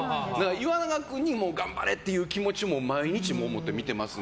岩永君に頑張れっていう気持ちを毎日持って見てますね。